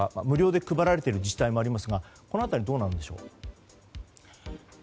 無料で配られている自治体もありますがこの辺りどうなんでしょうか。